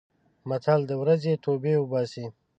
متل: د ورځې توبې اوباسي.